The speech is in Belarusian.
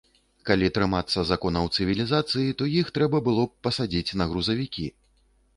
Калі трымацца законаў цывілізацыі, то іх трэба было б пасадзіць на грузавікі.